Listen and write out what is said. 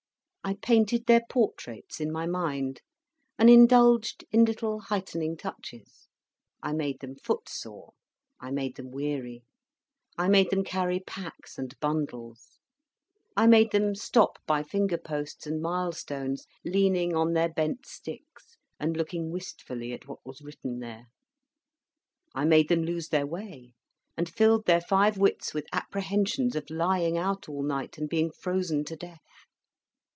I painted their portraits in my mind, and indulged in little heightening touches. I made them footsore; I made them weary; I made them carry packs and bundles; I made them stop by finger posts and milestones, leaning on their bent sticks, and looking wistfully at what was written there; I made them lose their way; and filled their five wits with apprehensions of lying out all night, and being frozen to death.